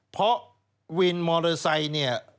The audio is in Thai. เพราะวินมอเตอร์ไซด์